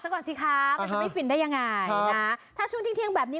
สักก่อนสิครับอ่ามันจะไม่ฟินได้ยังไงครับถ้าช่วงที่เที่ยงแบบนี้